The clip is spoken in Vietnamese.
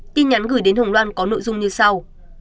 tin nhắn gửi đến hồng loan có nội dung như sau